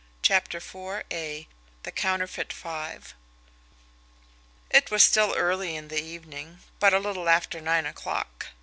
CHAPTER IV THE COUNTERFEIT FIVE It was still early in the evening, but a little after nine o'clock.